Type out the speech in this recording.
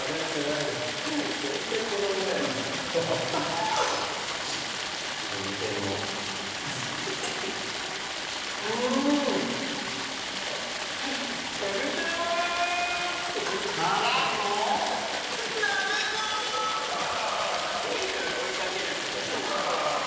いいのよ追い掛けなくて。